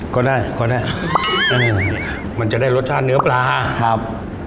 ก็ได้ก็ได้มันจะได้รสชาติเนื้อปลาครับ